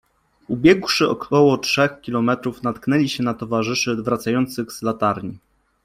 Ubiegłszy około trzech kilometrów, natknęli się na towarzyszy wracających z latarniami.